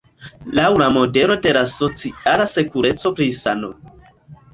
Laŭ la modelo de la "Sociala Sekureco" pri sano.